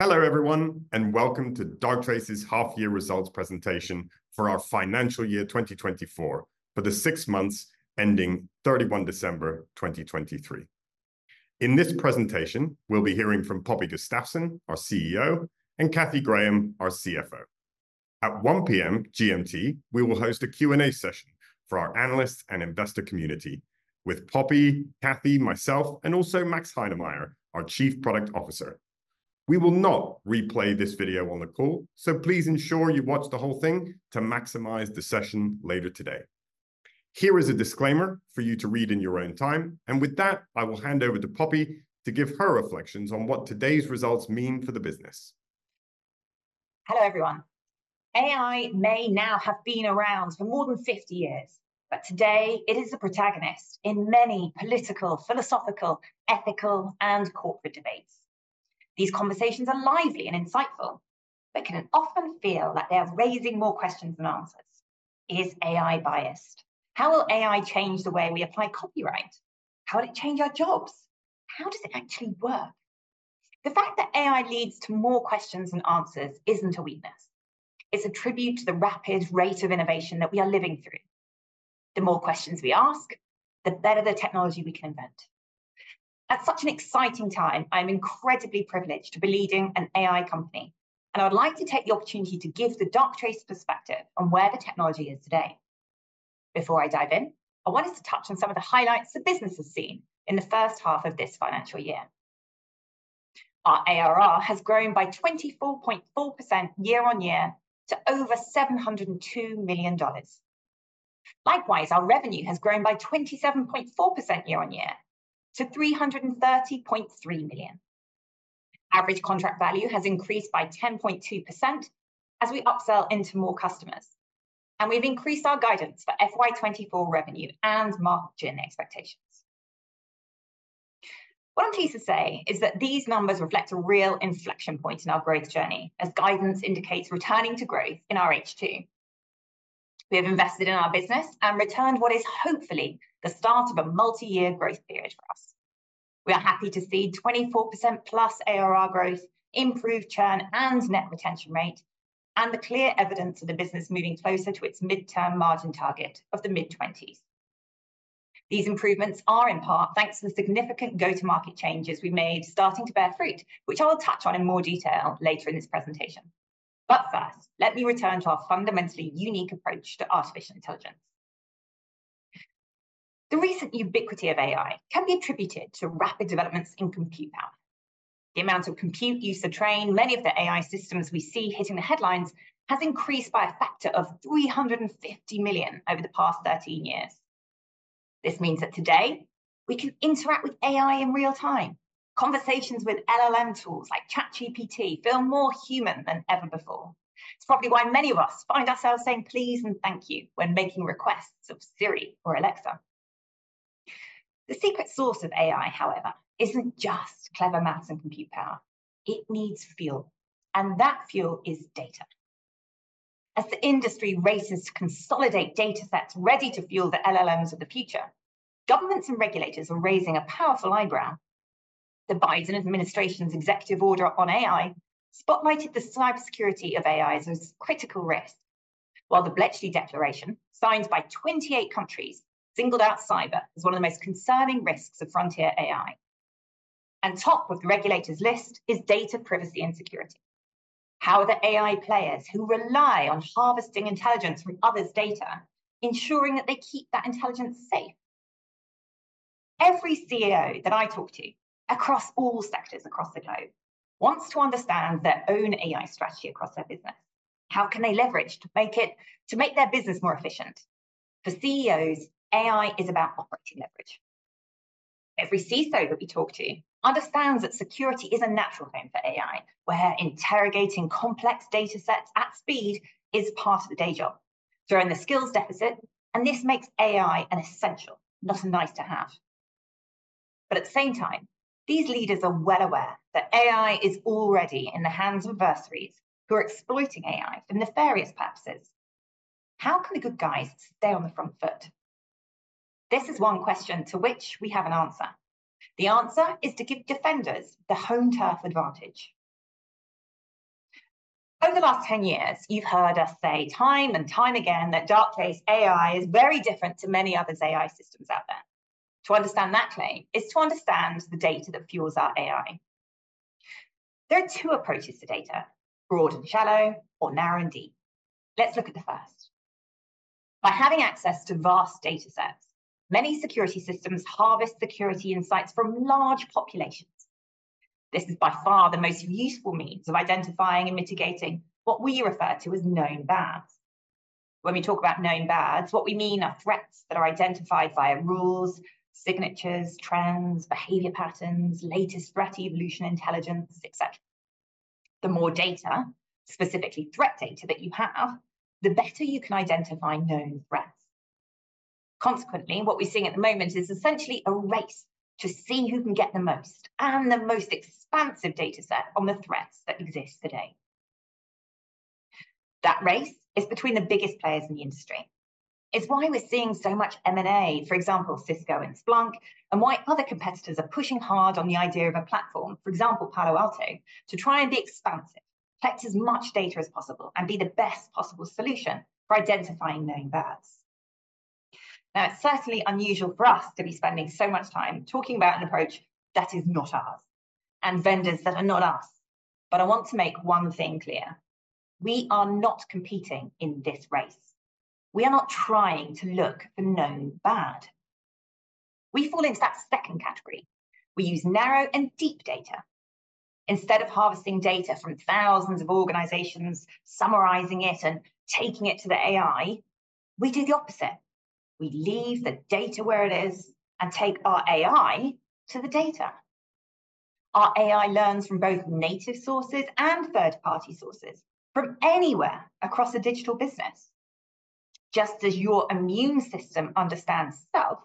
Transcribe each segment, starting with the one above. Hello everyone and welcome to Darktrace's half-year results presentation for our financial year 2024 for the six months ending 31 December 2023. In this presentation we'll be hearing from Poppy Gustafsson, our CEO, and Cathy Graham, our CFO. At 1:00 P.M. GMT we will host a Q&A session for our analysts and investor community with Poppy, Cathy, myself, and also Max Heinemeyer, our Chief Product Officer. We will not replay this video on the call so please ensure you watch the whole thing to maximize the session later today. Here is a disclaimer for you to read in your own time and with that I will hand over to Poppy to give her reflections on what today's results mean for the business. Hello everyone. AI may now have been around for more than 50 years but today it is the protagonist in many political, philosophical, ethical, and corporate debates. These conversations are lively and insightful but can often feel like they are raising more questions than answers. Is AI biased? How will AI change the way we apply copyright? How will it change our jobs? How does it actually work? The fact that AI leads to more questions than answers isn't a weakness. It's a tribute to the rapid rate of innovation that we are living through. The more questions we ask, the better the technology we can invent. At such an exciting time I am incredibly privileged to be leading an AI company and I would like to take the opportunity to give the Darktrace perspective on where the technology is today. Before I dive in, I wanted to touch on some of the highlights the business has seen in the first half of this financial year. Our ARR has grown by 24.4% year-on-year to over $702 million. Likewise, our revenue has grown by 27.4% year-on-year to $330.3 million. Average contract value has increased by 10.2% as we upsell into more customers, and we've increased our guidance for FY 2024 revenue and margin expectations. What I'm pleased to say is that these numbers reflect a real inflection point in our growth journey, as guidance indicates returning to growth in our H2. We have invested in our business and returned what is hopefully the start of a multi-year growth period for us. We are happy to see 24%+ ARR growth, improved churn and net retention rate, and the clear evidence of the business moving closer to its mid-term margin target of the mid-20s. These improvements are in part thanks to the significant go-to-market changes we've made starting to bear fruit which I will touch on in more detail later in this presentation. But first let me return to our fundamentally unique approach to artificial intelligence. The recent ubiquity of AI can be attributed to rapid developments in compute power. The amount of compute use to train many of the AI systems we see hitting the headlines has increased by a factor of 350 million over the past 13 years. This means that today we can interact with AI in real time. Conversations with LLM tools like ChatGPT feel more human than ever before. It's probably why many of us find ourselves saying please and thank you when making requests of Siri or Alexa. The secret source of AI however isn't just clever math and compute power. It needs fuel and that fuel is data. As the industry races to consolidate datasets ready to fuel the LLMs of the future, governments and regulators are raising a powerful eyebrow. The Biden administration's executive order on AI spotlighted the cybersecurity of AI as a critical risk while the Bletchley Declaration, signed by 28 countries, singled out cyber as one of the most concerning risks of frontier AI. On top of the regulators' list is data privacy and security. How are the AI players who rely on harvesting intelligence from others' data ensuring that they keep that intelligence safe? Every CEO that I talk to across all sectors across the globe wants to understand their own AI strategy across their business. How can they leverage to make it to make their business more efficient? For CEOs AI is about operating leverage. Every CISO that we talk to understands that security is a natural thing for AI where interrogating complex datasets at speed is part of the day job. They're in the skills deficit and this makes AI an essential, not a nice-to-have. But at the same time these leaders are well aware that AI is already in the hands of adversaries who are exploiting AI for nefarious purposes. How can the good guys stay on the front foot? This is one question to which we have an answer. The answer is to give defenders the home turf advantage. Over the last 10 years you've heard us say time and time again that Darktrace AI is very different to many others' AI systems out there. To understand that claim is to understand the data that fuels our AI. There are two approaches to data, broad and shallow, or narrow and deep. Let's look at the first. By having access to vast datasets many security systems harvest security insights from large populations. This is by far the most useful means of identifying and mitigating what we refer to as known bads. When we talk about known bads what we mean are threats that are identified via rules, signatures, trends, behavior patterns, latest threat evolution intelligence, etc. The more data, specifically threat data, that you have the better you can identify known threats. Consequently what we're seeing at the moment is essentially a race to see who can get the most and the most expansive dataset on the threats that exist today. That race is between the biggest players in the industry. It's why we're seeing so much M&A, for example Cisco and Splunk, and why other competitors are pushing hard on the idea of a platform, for example Palo Alto, to try and be expansive, collect as much data as possible, and be the best possible solution for identifying known bads. Now it's certainly unusual for us to be spending so much time talking about an approach that is not ours and vendors that are not us, but I want to make one thing clear. We are not competing in this race. We are not trying to look for known bad. We fall into that second category. We use narrow and deep data. Instead of harvesting data from thousands of organizations, summarizing it, and taking it to the AI, we do the opposite. We leave the data where it is and take our AI to the data. Our AI learns from both native sources and third-party sources from anywhere across a digital business. Just as your immune system understands self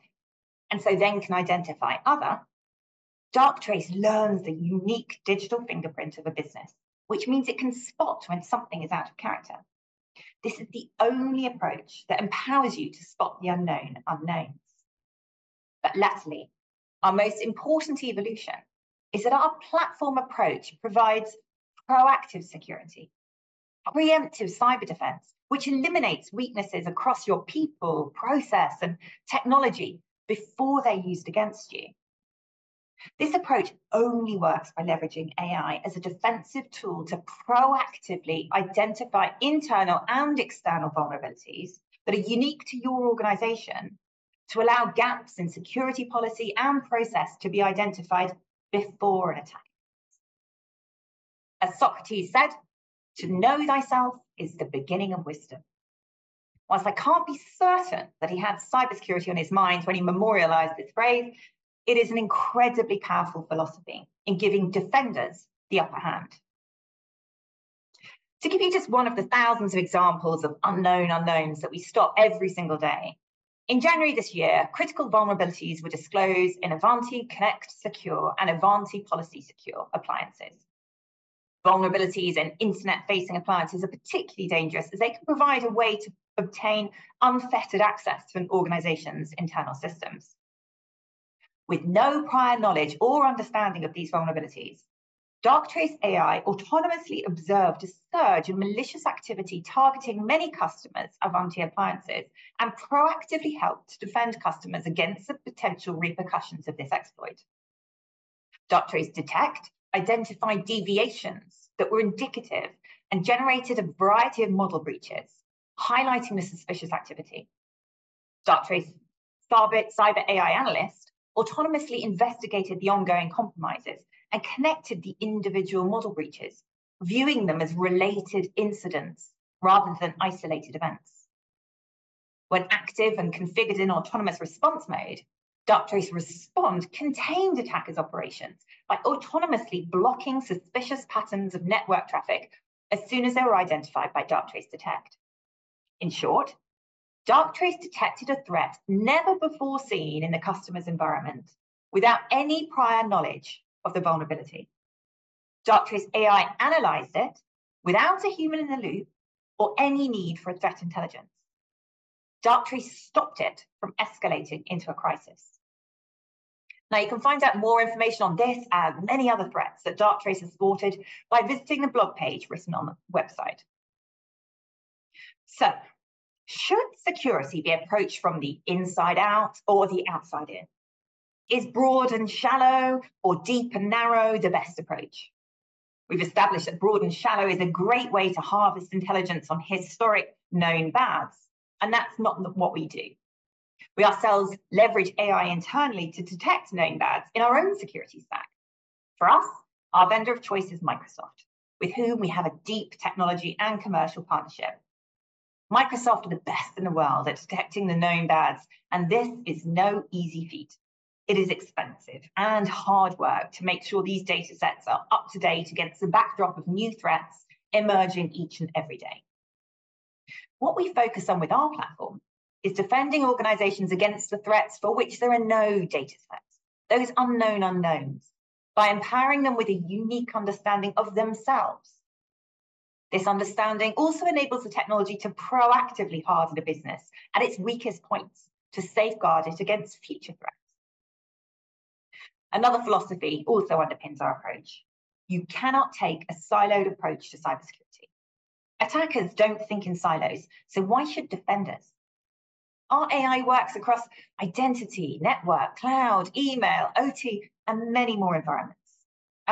and so then can identify other, Darktrace learns the unique digital fingerprint of a business which means it can spot when something is out of character. This is the only approach that empowers you to spot the unknown unknowns. But lately our most important evolution is that our platform approach provides proactive security, preemptive cyber defense which eliminates weaknesses across your people, process, and technology before they're used against you. This approach only works by leveraging AI as a defensive tool to proactively identify internal and external vulnerabilities that are unique to your organization to allow gaps in security policy and process to be identified before an attack happens. As Socrates said, "To know thyself is the beginning of wisdom." While I can't be certain that he had cybersecurity on his mind when he memorialized this phrase, it is an incredibly powerful philosophy in giving defenders the upper hand. To give you just one of the thousands of examples of unknown unknowns that we stop every single day, in January this year critical vulnerabilities were disclosed in Ivanti Connect Secure and Ivanti Policy Secure appliances. Vulnerabilities in internet-facing appliances are particularly dangerous as they can provide a way to obtain unfettered access to an organization's internal systems. With no prior knowledge or understanding of these vulnerabilities, Darktrace AI autonomously observed a surge in malicious activity targeting many customers' Ivanti appliances and proactively helped to defend customers against the potential repercussions of this exploit. Darktrace DETECT identified deviations that were indicative and generated a variety of model breaches highlighting the suspicious activity. Darktrace Cyber AI Analyst autonomously investigated the ongoing compromises and connected the individual model breaches, viewing them as related incidents rather than isolated events. When active and configured in autonomous response mode, Darktrace RESPOND contained attackers' operations by autonomously blocking suspicious patterns of network traffic as soon as they were identified by Darktrace DETECT. In short, Darktrace detected a threat never before seen in the customer's environment without any prior knowledge of the vulnerability. Darktrace AI analyzed it without a human in the loop or any need for threat intelligence. Darktrace stopped it from escalating into a crisis. Now you can find out more information on this and many other threats that Darktrace has spotted by visiting the blog page written on the website. So, should security be approached from the inside out or the outside in? Is broad and shallow or deep and narrow the best approach? We've established that broad and shallow is a great way to harvest intelligence on historic known bads and that's not what we do. We ourselves leverage AI internally to detect known bads in our own security stack. For us our vendor of choice is Microsoft, with whom we have a deep technology and commercial partnership. Microsoft are the best in the world at detecting the known bads and this is no easy feat. It is expensive and hard work to make sure these datasets are up to date against the backdrop of new threats emerging each and every day. What we focus on with our platform is defending organizations against the threats for which there are no datasets, those unknown unknowns, by empowering them with a unique understanding of themselves. This understanding also enables the technology to proactively harden a business at its weakest points to safeguard it against future threats. Another philosophy also underpins our approach. You cannot take a siloed approach to cybersecurity. Attackers don't think in silos so why should defenders? Our AI works across identity, network, cloud, email, OT, and many more environments.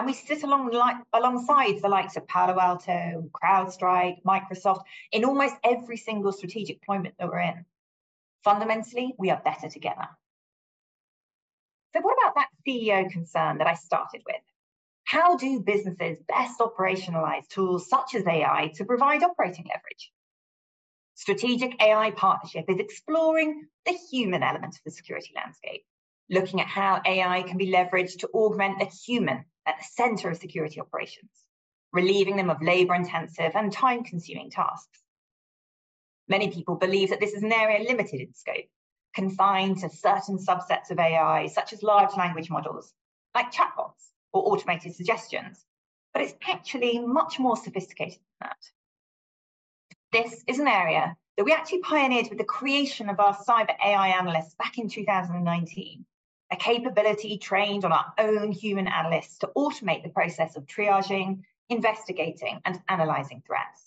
We sit alongside the likes of Palo Alto, CrowdStrike, Microsoft in almost every single strategic deployment that we're in. Fundamentally we are better together. So what about that CEO concern that I started with? How do businesses best operationalize tools such as AI to provide operating leverage? Strategic AI partnership is exploring the human element of the security landscape, looking at how AI can be leveraged to augment the human at the center of security operations, relieving them of labor-intensive and time-consuming tasks. Many people believe that this is an area limited in scope, confined to certain subsets of AI such as large language models, like chatbots or automated suggestions, but it's actually much more sophisticated than that. This is an area that we actually pioneered with the creation of our Cyber AI Analysts back in 2019, a capability trained on our own human analysts to automate the process of triaging, investigating, and analyzing threats.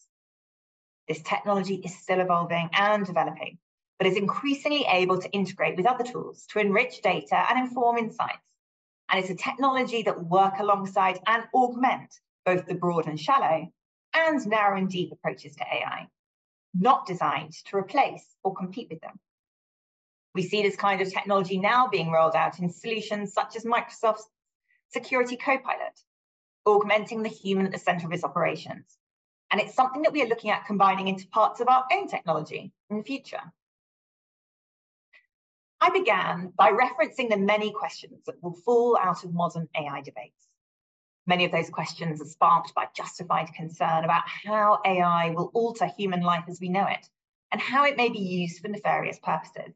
This technology is still evolving and developing, but is increasingly able to integrate with other tools to enrich data and inform insights, and it's a technology that will work alongside and augment both the broad and shallow, and narrow and deep approaches to AI, not designed to replace or compete with them. We see this kind of technology now being rolled out in solutions such as Microsoft's Security Copilot, augmenting the human at the center of its operations, and it's something that we are looking at combining into parts of our own technology in the future. I began by referencing the many questions that will fall out of modern AI debates. Many of those questions are sparked by justified concern about how AI will alter human life as we know it and how it may be used for nefarious purposes.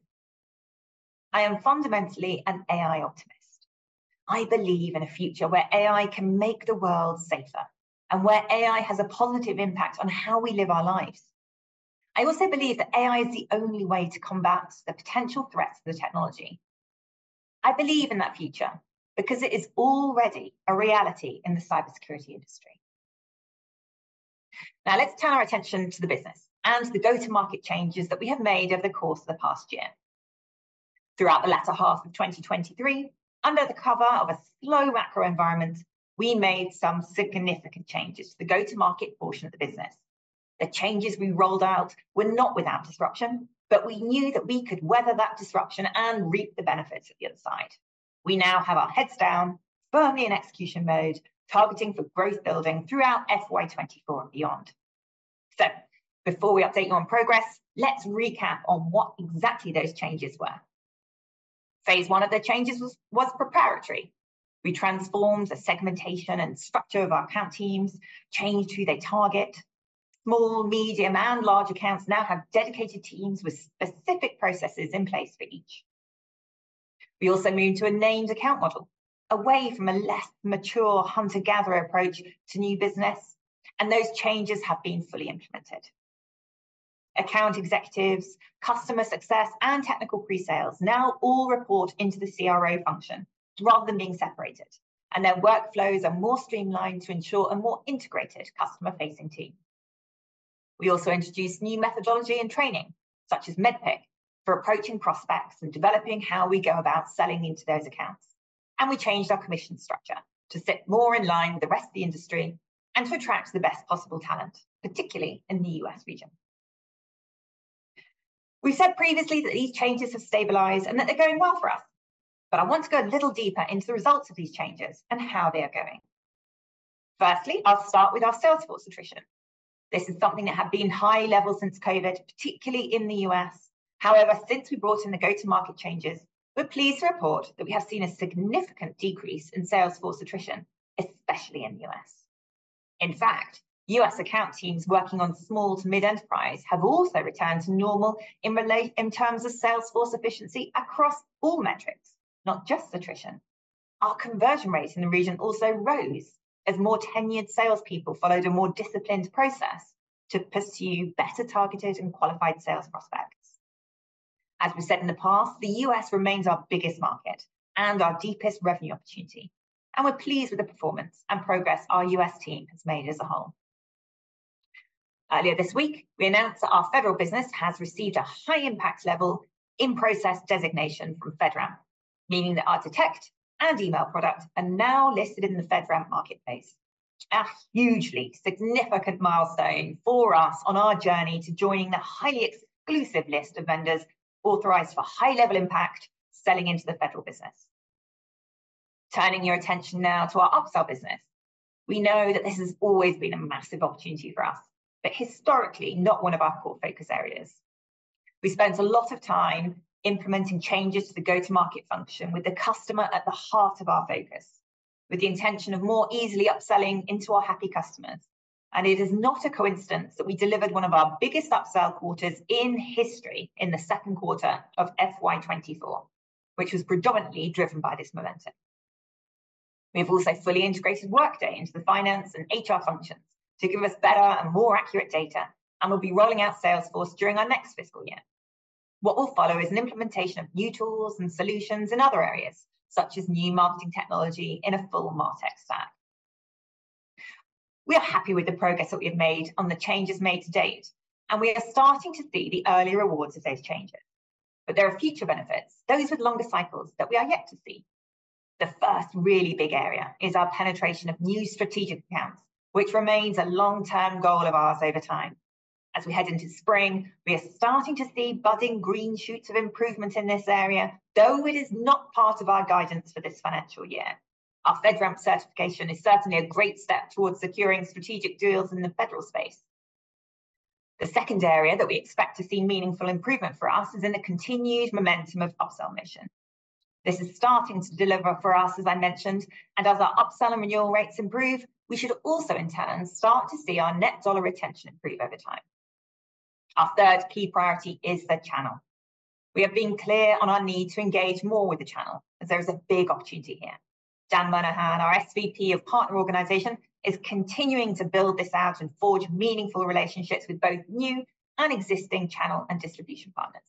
I am fundamentally an AI optimist. I believe in a future where AI can make the world safer and where AI has a positive impact on how we live our lives. I also believe that AI is the only way to combat the potential threats to the technology. I believe in that future because it is already a reality in the cybersecurity industry. Now let's turn our attention to the business and the go-to-market changes that we have made over the course of the past year. Throughout the latter half of 2023, under the cover of a slow macro environment, we made some significant changes to the go-to-market portion of the business. The changes we rolled out were not without disruption, but we knew that we could weather that disruption and reap the benefits at the other side. We now have our heads down, firmly in execution mode, targeting for growth building throughout FY 2024 and beyond. So, before we update you on progress, let's recap on what exactly those changes were. Phase 1 of the changes was preparatory. We transformed the segmentation and structure of our account teams, changed who they target. Small, medium, and large accounts now have dedicated teams with specific processes in place for each. We also moved to a named account model, away from a less mature hunter-gatherer approach to new business, and those changes have been fully implemented. Account executives, customer success, and technical presales now all report into the CRO function rather than being separated, and their workflows are more streamlined to ensure a more integrated customer-facing team. We also introduced new methodology and training, such as MEDDPICC, for approaching prospects and developing how we go about selling into those accounts, and we changed our commission structure to sit more in line with the rest of the industry and to attract the best possible talent, particularly in the US region. We've said previously that these changes have stabilized and that they're going well for us, but I want to go a little deeper into the results of these changes and how they are going. Firstly, I'll start with our Salesforce attrition. This is something that had been high level since COVID, particularly in the U.S. However, since we brought in the go-to-market changes, we're pleased to report that we have seen a significant decrease in sales force attrition, especially in the U.S. In fact, U.S. account teams working on small to mid-enterprise have also returned to normal in terms of sales force efficiency across all metrics, not just attrition. Our conversion rate in the region also rose as more tenured salespeople followed a more disciplined process to pursue better targeted and qualified sales prospects. As we've said in the past, the US remains our biggest market and our deepest revenue opportunity, and we're pleased with the performance and progress our U.S. team has made as a whole. Earlier this week, we announced that our federal business has received a high-impact level in-process designation from FedRAMP, meaning that our DETECT and Email product are now listed in the FedRAMP marketplace. A hugely significant milestone for us on our journey to joining the highly exclusive list of vendors authorized for high-level impact selling into the federal business. Turning your attention now to our upsell business. We know that this has always been a massive opportunity for us, but historically not one of our core focus areas. We spent a lot of time implementing changes to the go-to-market function with the customer at the heart of our focus, with the intention of more easily upselling into our happy customers, and it is not a coincidence that we delivered one of our biggest upsell quarters in history in the second quarter of FY 2024, which was predominantly driven by this momentum. We have also fully integrated Workday into the finance and HR functions to give us better and more accurate data, and we'll be rolling out sales force during our next fiscal year. What will follow is an implementation of new tools and solutions in other areas, such as new marketing technology in a full MarTech stack. We are happy with the progress that we have made on the changes made to date, and we are starting to see the early rewards of those changes. But there are future benefits, those with longer cycles, that we are yet to see. The first really big area is our penetration of new strategic accounts, which remains a long-term goal of ours over time. As we head into spring, we are starting to see budding green shoots of improvement in this area, though it is not part of our guidance for this financial year. Our FedRAMP certification is certainly a great step towards securing strategic deals in the federal space. The second area that we expect to see meaningful improvement for us is in the continued momentum of upsell mission. This is starting to deliver for us, as I mentioned, and as our upsell and renewal rates improve, we should also, in turn, start to see our net dollar retention improve over time. Our third key priority is the channel. We have been clear on our need to engage more with the channel, as there is a big opportunity here. Dan Monahan, our SVP of Partner Organization, is continuing to build this out and forge meaningful relationships with both new and existing channel and distribution partners.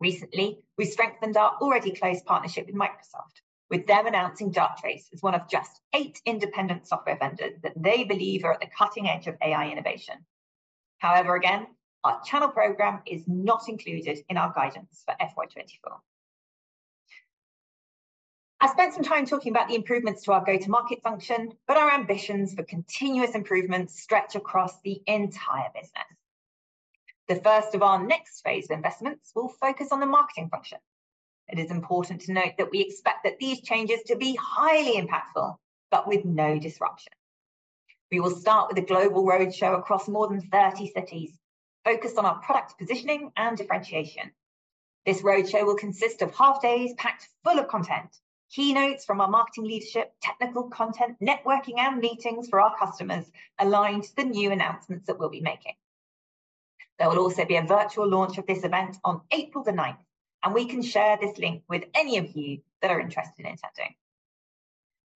Recently, we strengthened our already close partnership with Microsoft, with them announcing Darktrace as one of just eight independent software vendors that they believe are at the cutting edge of AI innovation. However, again, our channel program is not included in our guidance for FY 2024. I spent some time talking about the improvements to our go-to-market function, but our ambitions for continuous improvement stretch across the entire business. The first of our next phase of investments will focus on the marketing function. It is important to note that we expect that these changes to be highly impactful, but with no disruption. We will start with a global roadshow across more than 30 cities, focused on our product positioning and differentiation. This roadshow will consist of half-days packed full of content, keynotes from our marketing leadership, technical content, networking, and meetings for our customers aligned to the new announcements that we'll be making. There will also be a virtual launch of this event on April the 9th, and we can share this link with any of you that are interested in attending.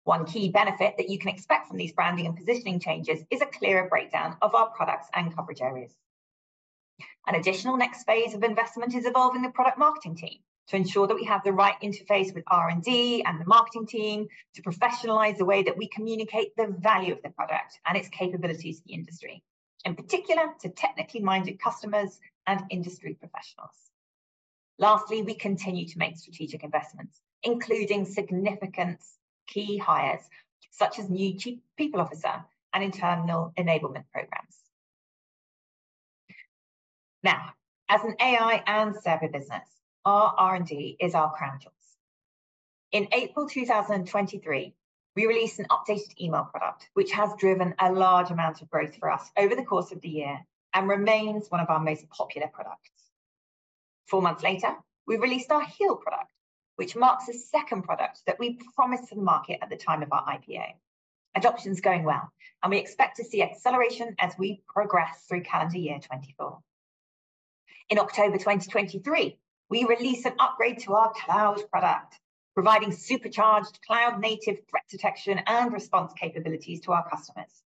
One key benefit that you can expect from these branding and positioning changes is a clearer breakdown of our products and coverage areas. An additional next phase of investment is evolving the product marketing team to ensure that we have the right interface with R&D and the marketing team to professionalize the way that we communicate the value of the product and its capabilities to the industry, in particular to technically minded customers and industry professionals. Lastly, we continue to make strategic investments, including significant key hires such as new Chief People Officer and internal enablement programs. Now, as an AI and server business, our R&D is our crown jewels. In April 2023, we released an updated email product, which has driven a large amount of growth for us over the course of the year and remains one of our most popular products. Four months later, we released our HEAL product, which marks the second product that we promised to the market at the time of our IPO. Adoption is going well, and we expect to see acceleration as we progress through calendar year 2024. In October 2023, we released an upgrade to our Cloud product, providing supercharged cloud-native threat detection and response capabilities to our customers.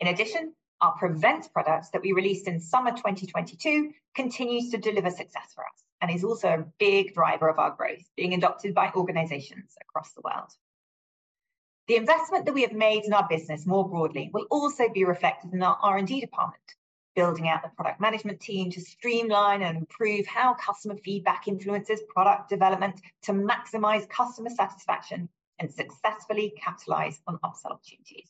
In addition, our PREVENT product that we released in summer 2022 continues to deliver success for us and is also a big driver of our growth, being adopted by organizations across the world. The investment that we have made in our business more broadly will also be reflected in our R&D department, building out the product management team to streamline and improve how customer feedback influences product development to maximize customer satisfaction and successfully capitalize on upsell opportunities.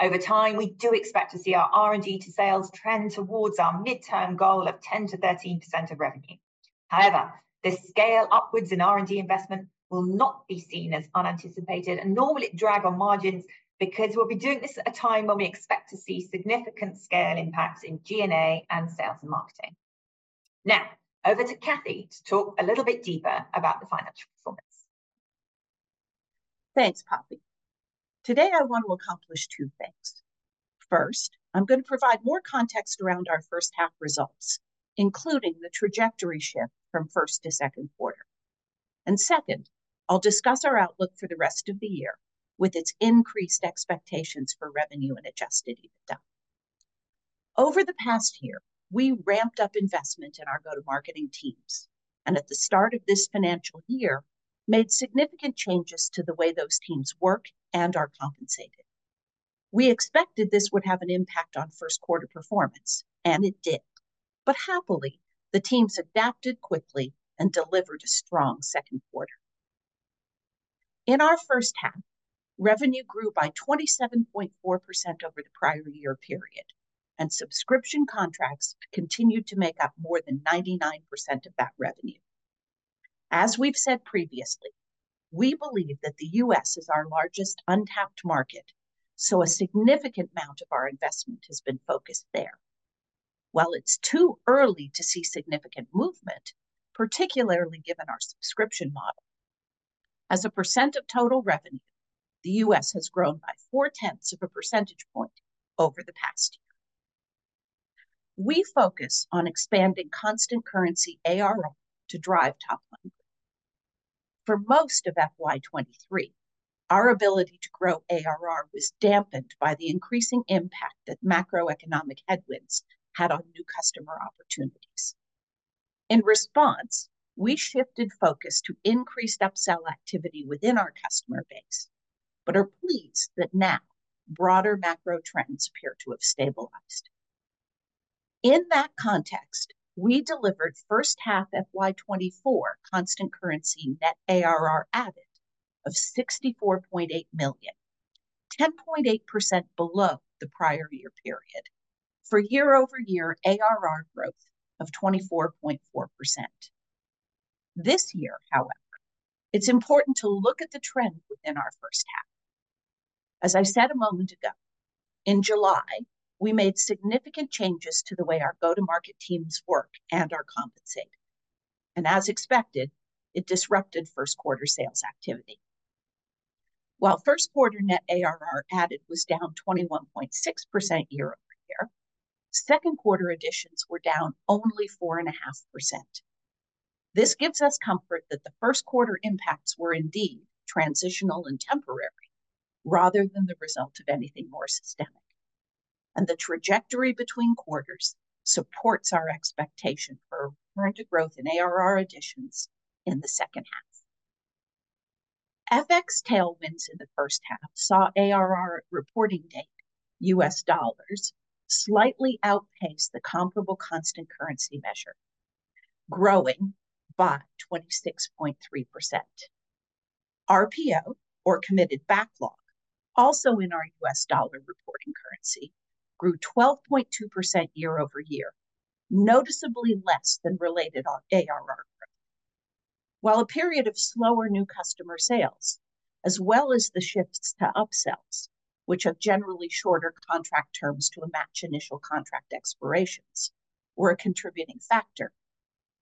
Over time, we do expect to see our R&D to sales trend towards our mid-term goal of 10%-13% of revenue. However, this scale upwards in R&D investment will not be seen as unanticipated, and nor will it drag on margins because we'll be doing this at a time when we expect to see significant scale impacts in G&A and sales and marketing. Now, over to Cathy to talk a little bit deeper about the financial performance. Thanks, Poppy. Today, I want to accomplish two things. First, I'm going to provide more context around our first-half results, including the trajectory shift from first to second quarter. Second, I'll discuss our outlook for the rest of the year with its increased expectations for revenue and adjusted EBITDA. Over the past year, we ramped up investment in our go-to-marketing teams and, at the start of this financial year, made significant changes to the way those teams work and are compensated. We expected this would have an impact on first-quarter performance, and it did, but happily, the teams adapted quickly and delivered a strong second quarter. In our first half, revenue grew by 27.4% over the prior year period, and subscription contracts continued to make up more than 99% of that revenue. As we've said previously, we believe that the U.S. is our largest untapped market, so a significant amount of our investment has been focused there. While it's too early to see significant movement, particularly given our subscription model, as a percent of total revenue, the U.S. has grown by 0.4% over the past year. We focus on expanding constant currency ARR to drive top-line growth. For most of FY 2023, our ability to grow ARR was dampened by the increasing impact that macroeconomic headwinds had on new customer opportunities. In response, we shifted focus to increased upsell activity within our customer base, but are pleased that now broader macro trends appear to have stabilized. In that context, we delivered first-half FY 2024 constant currency net ARR added of $64.8 million, 10.8% below the prior year period, for year-over-year ARR growth of 24.4%. This year, however, it's important to look at the trend within our first half. As I said a moment ago, in July, we made significant changes to the way our go-to-market teams work and are compensated, and as expected, it disrupted first-quarter sales activity. While first-quarter net ARR added was down 21.6% year-over-year, second-quarter additions were down only 4.5%. This gives us comfort that the first-quarter impacts were indeed transitional and temporary, rather than the result of anything more systemic, and the trajectory between quarters supports our expectation for a return to growth in ARR additions in the second half. FX tailwinds in the first half saw ARR reported in U.S. dollars slightly outpace the comparable constant currency measure, growing by 26.3%. RPO, or committed backlog, also in our U.S. dollar reporting currency, grew 12.2% year-over-year, noticeably less than related ARR growth. While a period of slower new customer sales, as well as the shifts to upsells, which have generally shorter contract terms to match initial contract expirations, were a contributing factor,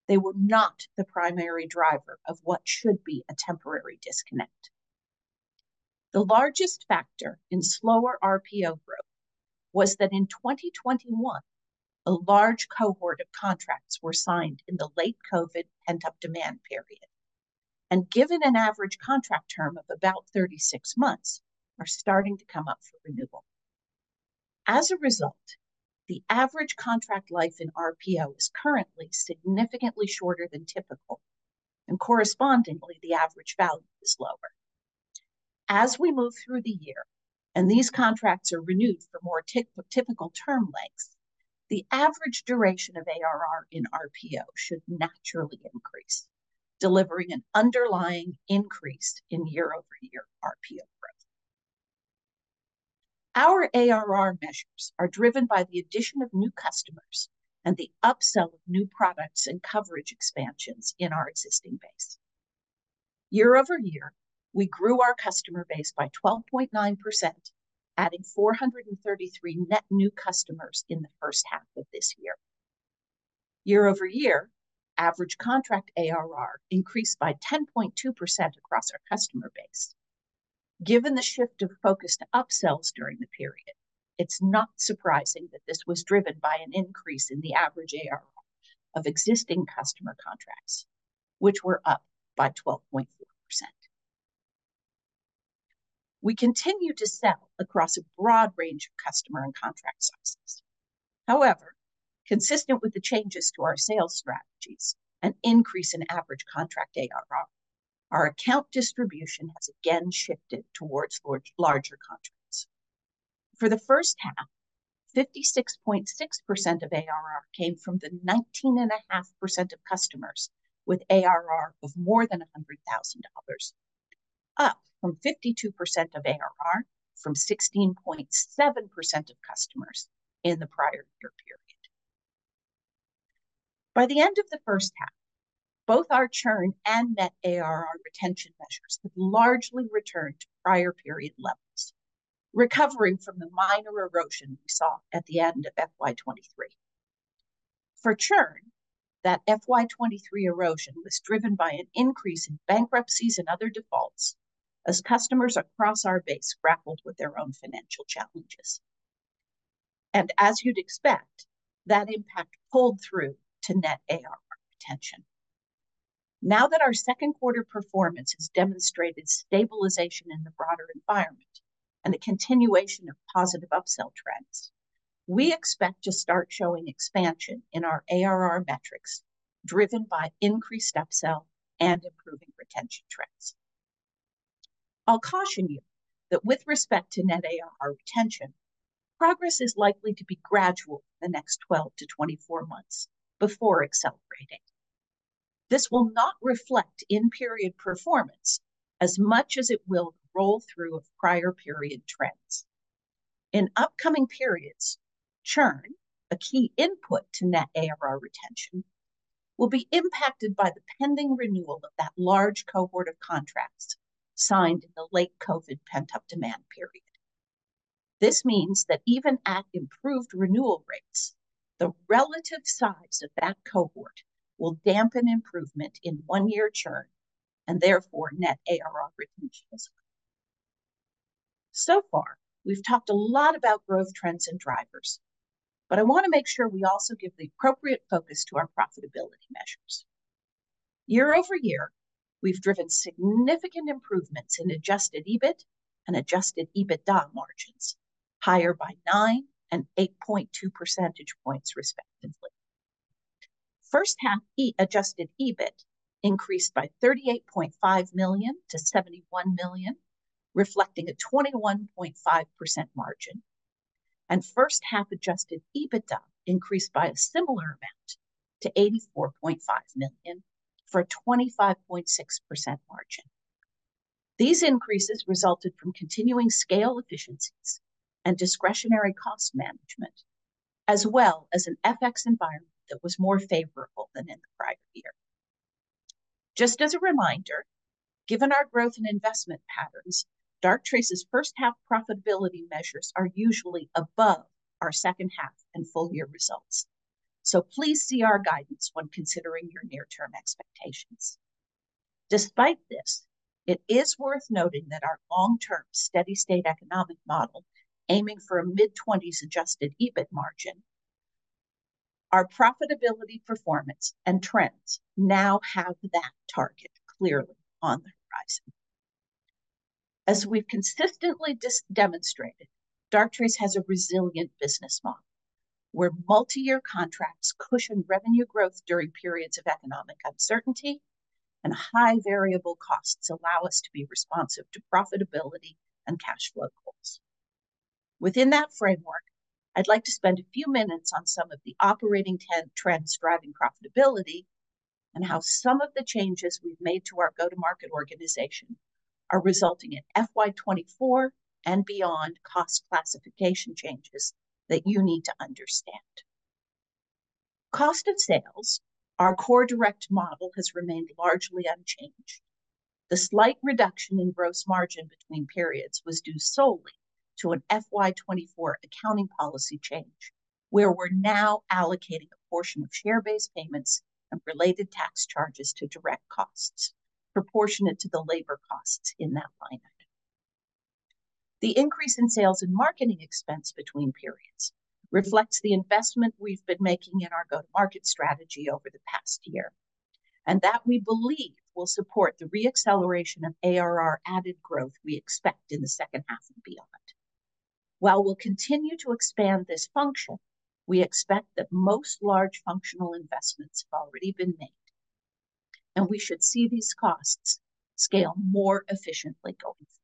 they were not the primary driver of what should be a temporary disconnect. The largest factor in slower RPO growth was that in 2021, a large cohort of contracts were signed in the late COVID pent-up demand period, and given an average contract term of about 36 months, are starting to come up for renewal. As a result, the average contract life in RPO is currently significantly shorter than typical, and correspondingly, the average value is lower. As we move through the year and these contracts are renewed for more typical term lengths, the average duration of ARR in RPO should naturally increase, delivering an underlying increase in year-over-year RPO growth. Our ARR measures are driven by the addition of new customers and the upsell of new products and coverage expansions in our existing base. Year-over-year, we grew our customer base by 12.9%, adding 433 net new customers in the first half of this year. Year-over-year, average contract ARR increased by 10.2% across our customer base. Given the shift of focus to upsells during the period, it's not surprising that this was driven by an increase in the average ARR of existing customer contracts, which were up by 12.4%. We continue to sell across a broad range of customer and contract sizes. However, consistent with the changes to our sales strategies and increase in average contract ARR, our account distribution has again shifted towards larger contracts. For the first half, 56.6% of ARR came from the 19.5% of customers with ARR of more than $100,000, up from 52% of ARR from 16.7% of customers in the prior year period. By the end of the first half, both our churn and net ARR retention measures had largely returned to prior period levels, recovering from the minor erosion we saw at the end of FY 2023. For churn, that FY 2023 erosion was driven by an increase in bankruptcies and other defaults as customers across our base grappled with their own financial challenges. As you'd expect, that impact pulled through to net ARR retention. Now that our second-quarter performance has demonstrated stabilization in the broader environment and the continuation of positive upsell trends, we expect to start showing expansion in our ARR metrics driven by increased upsell and improving retention trends. I'll caution you that with respect to net ARR retention, progress is likely to be gradual for the next 12-24 months before accelerating. This will not reflect in-period performance as much as it will the roll-through of prior period trends. In upcoming periods, churn, a key input to net ARR retention, will be impacted by the pending renewal of that large cohort of contracts signed in the late COVID pent-up demand period. This means that even at improved renewal rates, the relative size of that cohort will dampen improvement in one-year churn and therefore net ARR retention as well. So far, we've talked a lot about growth trends and drivers, but I want to make sure we also give the appropriate focus to our profitability measures. Year-over-year, we've driven significant improvements in adjusted EBIT and adjusted EBITDA margins, higher by 9% and 8.2% respectively. First-half adjusted EBIT increased by 38.5 million-71 million, reflecting a 21.5% margin, and first-half adjusted EBITDA increased by a similar amount to 84.5 million for a 25.6% margin. These increases resulted from continuing scale efficiencies and discretionary cost management, as well as an FX environment that was more favorable than in the prior year. Just as a reminder, given our growth and investment patterns, Darktrace's first-half profitability measures are usually above our second-half and full-year results, so please see our guidance when considering your near-term expectations. Despite this, it is worth noting that our long-term steady-state economic model aiming for a mid-20s adjusted EBIT margin, our profitability performance and trends now have that target clearly on the horizon. As we've consistently demonstrated, Darktrace has a resilient business model where multi-year contracts cushion revenue growth during periods of economic uncertainty and high variable costs allow us to be responsive to profitability and cash flow goals. Within that framework, I'd like to spend a few minutes on some of the operating trends driving profitability and how some of the changes we've made to our go-to-market organization are resulting in FY 2024 and beyond cost classification changes that you need to understand. Cost of sales, our core direct model, has remained largely unchanged. The slight reduction in gross margin between periods was due solely to an FY 2024 accounting policy change where we're now allocating a portion of share-based payments and related tax charges to direct costs, proportionate to the labor costs in that line item. The increase in sales and marketing expense between periods reflects the investment we've been making in our go-to-market strategy over the past year and that we believe will support the re-acceleration of ARR added growth we expect in the second half and beyond. While we'll continue to expand this function, we expect that most large functional investments have already been made, and we should see these costs scale more efficiently going forward.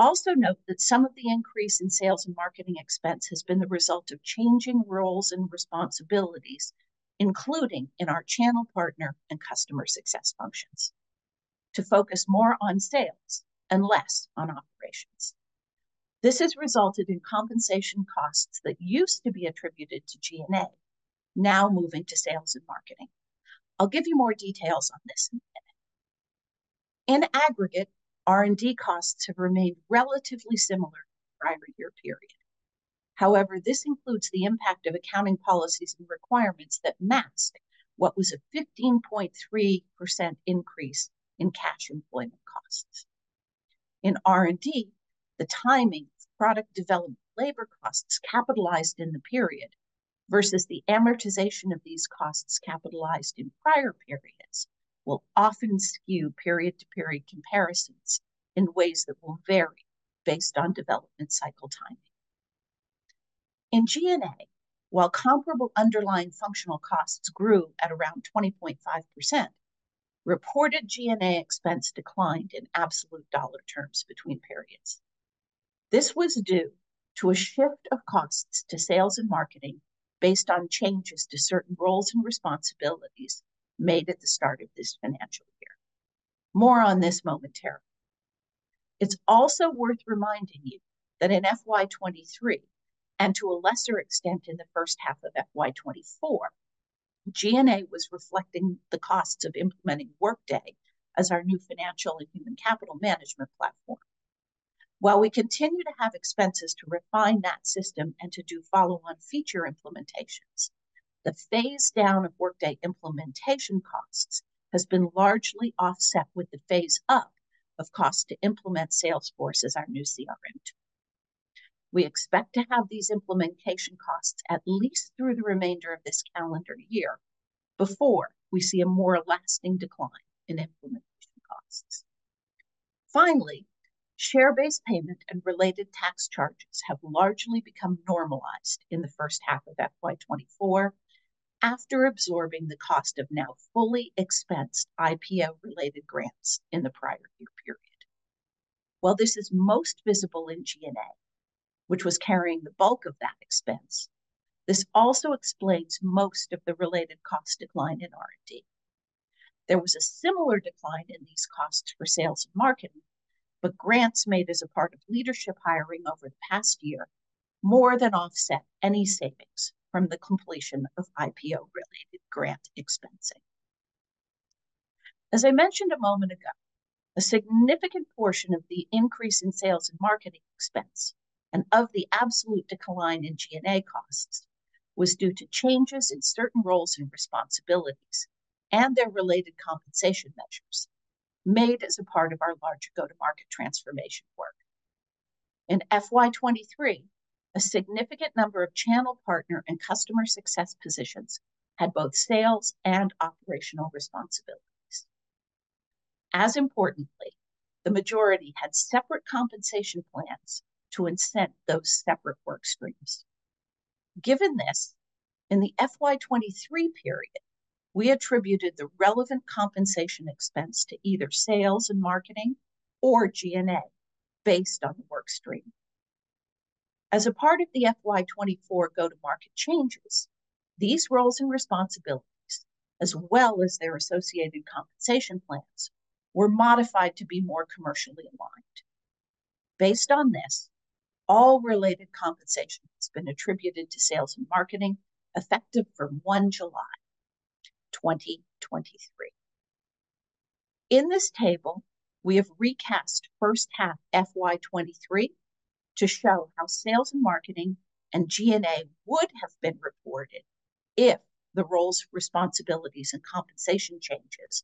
Also note that some of the increase in sales and marketing expense has been the result of changing roles and responsibilities, including in our channel partner and customer success functions, to focus more on sales and less on operations. This has resulted in compensation costs that used to be attributed to G&A now moving to sales and marketing. I'll give you more details on this in a minute. In Aggregate, R&D costs have remained relatively similar to the prior year period. However, this includes the impact of accounting policies and requirements that mask what was a 15.3% increase in cash employment costs. In R&D, the timing of product development labor costs capitalized in the period versus the amortization of these costs capitalized in prior periods will often skew period-to-period comparisons in ways that will vary based on development cycle timing. In G&A, while comparable underlying functional costs grew at around 20.5%, reported G&A expense declined in absolute dollar terms between periods. This was due to a shift of costs to sales and marketing based on changes to certain roles and responsibilities made at the start of this financial year. More on this momentarily. It's also worth reminding you that in FY 2023 and to a lesser extent in the first half of FY 2024, G&A was reflecting the costs of implementing Workday as our new financial and human capital management platform. While we continue to have expenses to refine that system and to do follow-on feature implementations, the phase-down of Workday implementation costs has been largely offset with the phase-up of costs to implement sales force as our new CRM tool. We expect to have these implementation costs at least through the remainder of this calendar year before we see a more lasting decline in implementation costs. Finally, share-based payment and related tax charges have largely become normalised in the first half of FY2024 after absorbing the cost of now fully expensed IPO-related grants in the prior year period. While this is most visible in G&A, which was carrying the bulk of that expense, this also explains most of the related cost decline in R&D. There was a similar decline in these costs for sales and marketing, but grants made as a part of leadership hiring over the past year more than offset any savings from the completion of IPO-related grant expensing. As I mentioned a moment ago, a significant portion of the increase in sales and marketing expense and of the absolute decline in G&A costs was due to changes in certain roles and responsibilities and their related compensation measures made as a part of our large go-to-market transformation work. In FY 2023, a significant number of channel partner and customer success positions had both sales and operational responsibilities. As importantly, the majority had separate compensation plans to incent those separate workstreams. Given this, in the FY 2023 period, we attributed the relevant compensation expense to either sales and marketing or G&A based on the workstream. As a part of the FY 2024 go-to-market changes, these roles and responsibilities, as well as their associated compensation plans, were modified to be more commercially aligned. Based on this, all related compensation has been attributed to sales and marketing effective from 1 July 2023. In this table, we have recast first half FY 2023 to show how sales and marketing and G&A would have been reported if the roles, responsibilities, and compensation changes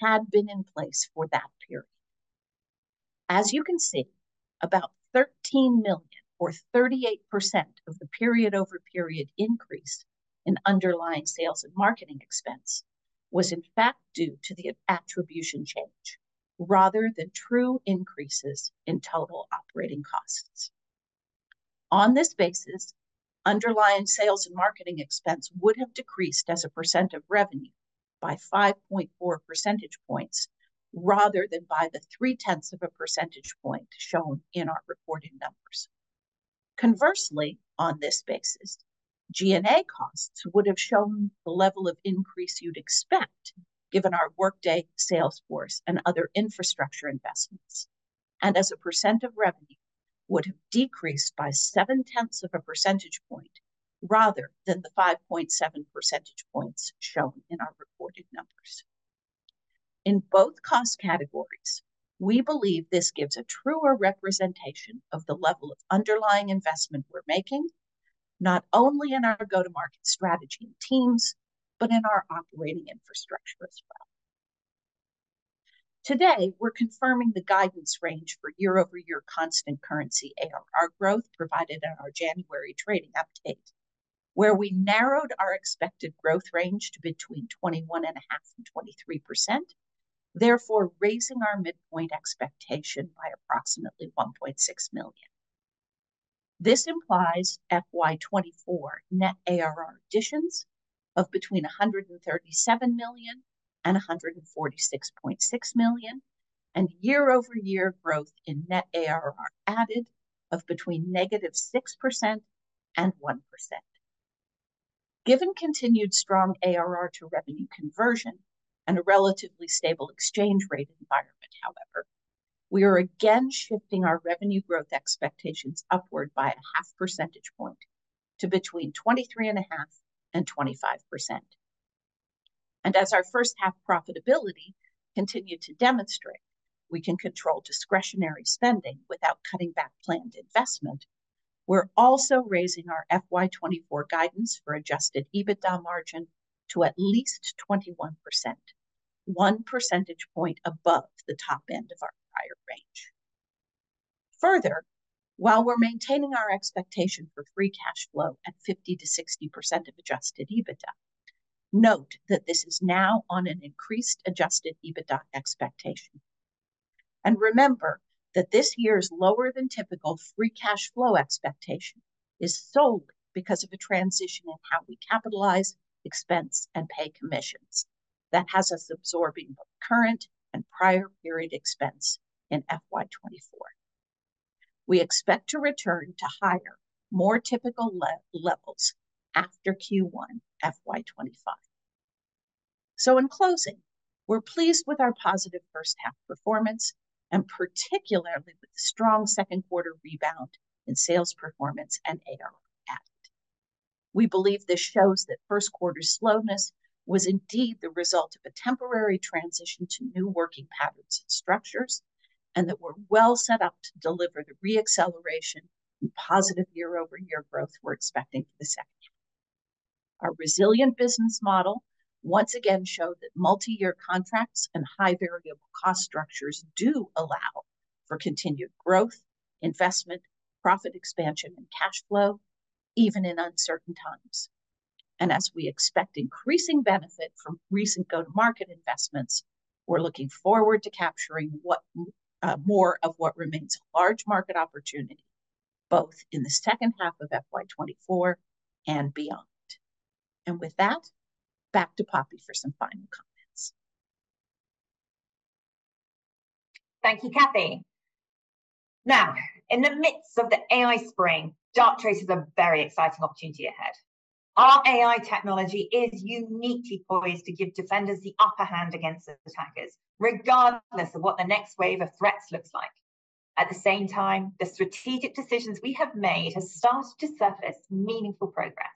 had been in place for that period. As you can see, about $13 million or 38% of the period-over-period increase in underlying sales and marketing expense was in fact due to the attribution change rather than true increases in total operating costs. On this basis, underlying sales and marketing expense would have decreased as a percent of revenue by 5.4% points rather than by the 0.3% point shown in our reporting numbers. Conversely, on this basis, G&A costs would have shown the level of increase you'd expect given our Workday, sales force, and other infrastructure investments, and as a percent of revenue would have decreased by 0.7% point rather than the 5.7% points shown in our reporting numbers. In both cost categories, we believe this gives a truer representation of the level of underlying investment we're making, not only in our go-to-market strategy and teams but in our operating infrastructure as well. Today, we're confirming the guidance range for year-over-year constant currency ARR growth provided in our January trading update, where we narrowed our expected growth range to 21.5%-23%, therefore raising our midpoint expectation by approximately 1.6 million. This implies FY 2024 net ARR additions of 137 million-146.6 million, and year-over-year growth in net ARR added of -6% and 1%. Given continued strong ARR-to-revenue conversion and a relatively stable exchange rate environment, however, we are again shifting our revenue growth expectations upward by a 0.5% point to 23.5%-25%. As our first-half profitability continued to demonstrate we can control discretionary spending without cutting back planned investment, we're also raising our FY 2024 guidance for adjusted EBITDA margin to at least 21%, 1% point above the top end of our prior range. Further, while we're maintaining our expectation for free cash flow at 50%-60% of adjusted EBITDA, note that this is now on an increased adjusted EBITDA expectation. And remember that this year's lower-than-typical free cash flow expectation is solely because of a transition in how we capitalize, expense, and pay commissions that has us absorbing both current and prior period expense in FY 2024. We expect to return to higher, more typical levels after Q1 FY 2025. So in closing, we're pleased with our positive first-half performance and particularly with the strong second quarter rebound in sales performance and ARR added. We believe this shows that first quarter slowness was indeed the result of a temporary transition to new working patterns and structures and that we're well set up to deliver the re-acceleration and positive year-over-year growth we're expecting for the second half. Our resilient business model once again showed that multi-year contracts and high variable cost structures do allow for continued growth, investment, profit expansion, and cash flow even in uncertain times. As we expect increasing benefit from recent go-to-market investments, we're looking forward to capturing more of what remains a large market opportunity both in the second half of FY 2024 and beyond. With that, back to Poppy for some final comments. Thank you, Cathy. Now, in the midst of the AI spring, Darktrace has a very exciting opportunity ahead. Our AI technology is uniquely poised to give defenders the upper hand against attackers regardless of what the next wave of threats looks like. At the same time, the strategic decisions we have made have started to surface meaningful progress.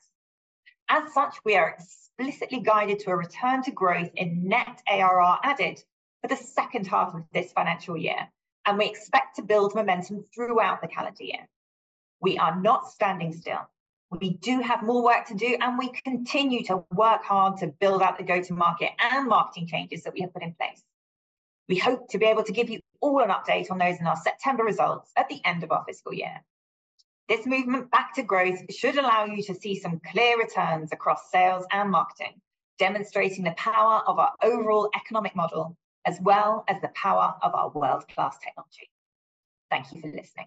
As such, we are explicitly guided to a return to growth in net ARR added for the second half of this financial year, and we expect to build momentum throughout the calendar year. We are not standing still. We do have more work to do, and we continue to work hard to build out the go-to-market and marketing changes that we have put in place. We hope to be able to give you all an update on those in our September results at the end of our fiscal year. This movement back to growth should allow you to see some clear returns across sales and marketing, demonstrating the power of our overall economic model as well as the power of our world-class technology. Thank you for listening.